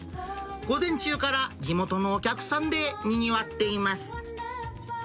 午前中から地元のお客さんでにぎわっています。